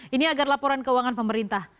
ini agar laporan keuangan pemerintah